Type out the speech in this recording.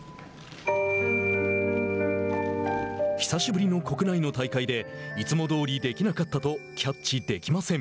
久しぶりの国内の大会でいつもどおりできなかったとキャッチできません。